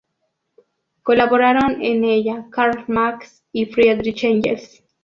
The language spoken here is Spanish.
Colaboraron en ella Karl Marx y Friedrich Engels.